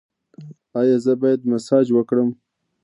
ایا زه باید مساج وکړم؟